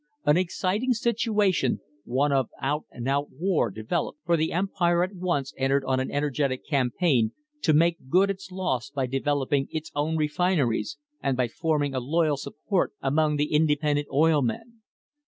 An exciting situation, one of out and out war, developed, for the Empire at once entered on an energetic campaign to make good its loss by developing its own refineries, and by forming a loyal support among the independent oil men.